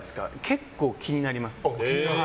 結構気になります。